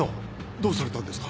どうされたんですか？